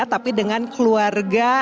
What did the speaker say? tapi dengan keluarga